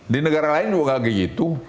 di negara lain juga enggak begitu